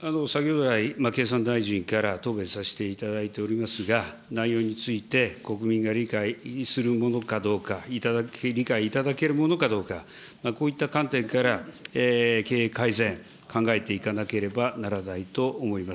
先ほど来、経産大臣から答弁させていただいておりますが、内容について国民が理解するものかどうか、理解いただけるものかどうか、こういった観点から経営改善、考えていかなければならないと思います。